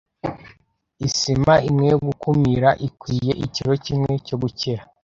Isima imwe yo gukumira ikwiye ikiro kimwe cyo gukira.